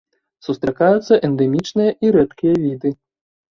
Сустракаюцца эндэмічныя і рэдкія віды.